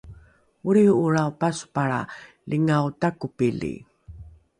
olriho’olrao pasopalra lingao takopili